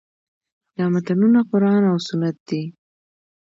دا متنونه قران او سنت دي.